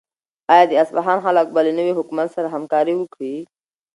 آیا د اصفهان خلک به له نوي حکومت سره همکاري وکړي؟